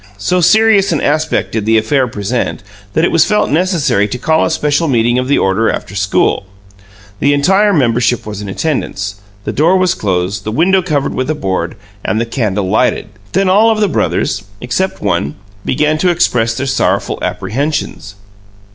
So serious an aspect did the affair present that it was felt necessary to call a special meeting of the order after school. The entire membership was in attendance; the door was closed, the window covered with a board, and the candle lighted. Then all of the brothers except one began to express their sorrowful apprehensions.